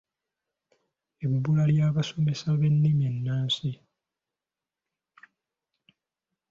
Ebbula ly’abasomesa b’ennimi ennansi.